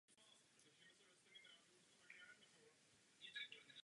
Proto je každý den skoro stejný jako den předchozí i následující.